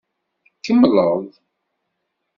Tkemmleḍ.